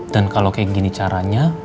dan kalau kayak gini caranya